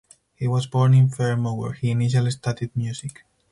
He was born in Fermo where he initially studied music.